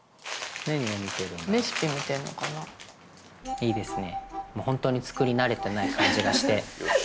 いいですね。